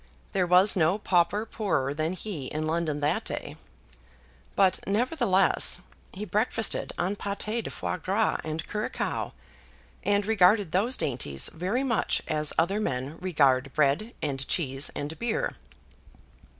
There was no pauper poorer than he in London that day. But, nevertheless, he breakfasted on paté de foie gras and curaçoa, and regarded those dainties very much as other men regard bread and cheese and beer.